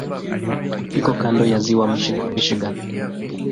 Iko kando ya Ziwa Michigan.